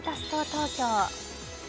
東京。